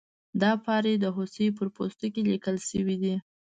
دا پارې د هوسۍ پر پوستکي لیکل شوي دي.